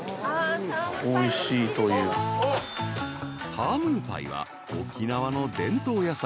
［タームーパイは沖縄の伝統野菜